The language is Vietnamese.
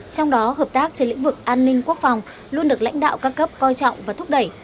trong đó hợp tác trên lĩnh vực an ninh quốc phòng luôn được lãnh đạo các cấp coi trọng và thúc đẩy